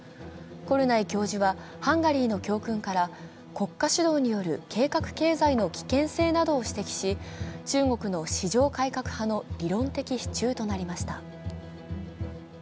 コルナイ教授はハンガリーの教訓から国家主導による計画経済の危険性などを指摘し、中国の市場改革派の理論的支柱となりました。